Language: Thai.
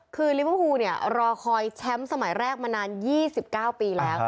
คือลิเวอร์พูลรอคอยแชมป์สมัยแรกมานาน๒๙ปีแล้ว